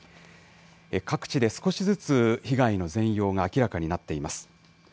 各地で少しずつ被害の全容が明らかになっています。